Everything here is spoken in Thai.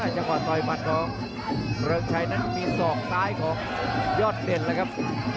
จังหวะต่อยหมัดของเริงชัยนั้นมีศอกซ้ายของยอดเด่นแล้วครับ